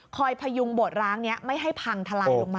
พยุงโบดร้างนี้ไม่ให้พังทลายลงมา